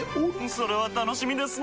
それは楽しみですなぁ。